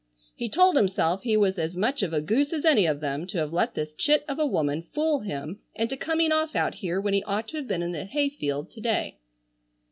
He told himself he was as much of a goose as any of them to have let this chit of a woman fool him into coming off out here when he ought to have been in the hay field to day.